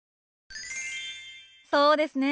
そうですね。